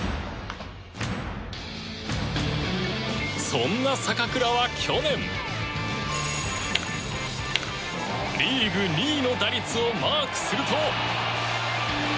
そんな坂倉は去年リーグ２位の打率をマークすると。